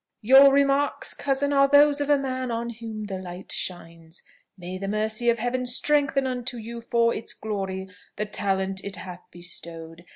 "Your remarks, cousin, are those of a man on whom the light shines. May the mercy of Heaven strengthen unto you, for its glory, the talent it hath bestowed!